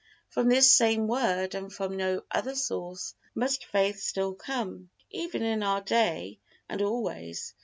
From this same Word and from no other source must faith still come, even in our day and always.